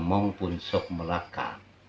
jamong punsuk melaka